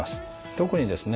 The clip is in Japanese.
特にですね